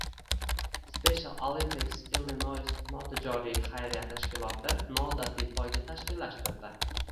Special Olympics Illinois notijoriy xayriya tashkiloti noodatiy poyga tashkillashtirdi